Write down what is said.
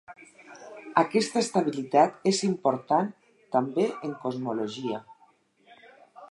Aquesta estabilitat és important també en cosmologia.